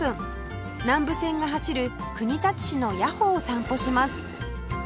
南武線が走る国立市の谷保を散歩します